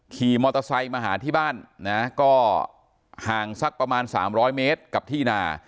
ขี่มอเตอร์ไซค์มาหาที่บ้านนะก็ห่างสักประมาณ๓๐๐เมตรกับที่นา